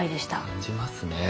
感じますね。